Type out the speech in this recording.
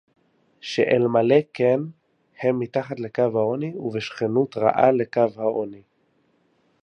שאלמלא כן הם מתחת לקו העוני ובשכנות רעה לקו העוני